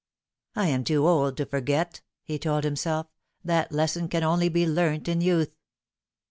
" I am too old to forget," he told himself ;" that lesson can only be learnt in youth."